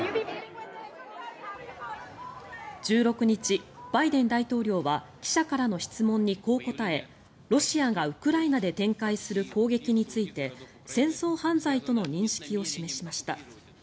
１６日、バイデン大統領は記者からの質問にこう答えロシアがウクライナで展開する攻撃について戦争犯罪との認識を示しました。